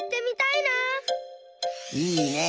いいねえ。